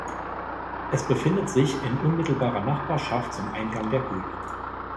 Es befindet sich in unmittelbarer Nachbarschaft zum Eingang der Höhle.